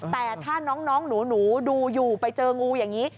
แต่ถ้าน้องหนูดูอยู่ไปเจองูอย่างนี้